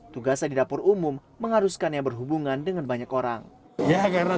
tugasnya di dapur umum mengharuskannya berhubungan dengan banyak orang ya karena